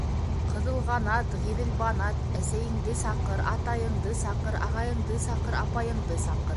- Ҡыҙылғанат, Ғиҙелбанат, әсәйеңде саҡыр, атайыңды саҡыр, ағайыңды саҡыр, апайыңды саҡыр.